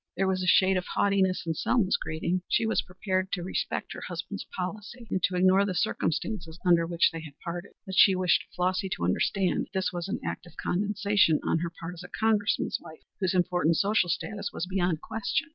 There was a shade of haughtiness in Selma's greeting. She was prepared to respect her husband's policy and to ignore the circumstances under which they had parted, but she wished Flossy to understand that this was an act of condescension on her part as a Congressman's wife, whose important social status was beyond question.